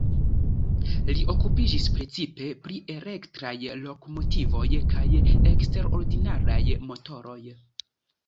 Li okupiĝis precipe pri elektraj lokomotivoj kaj eksterordinaraj motoroj.